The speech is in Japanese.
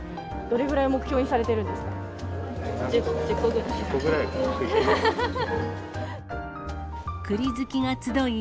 どれぐらい目標にされてるん１０個くらい。